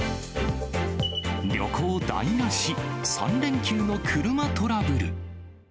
旅行台無し、３連休の車トラブル。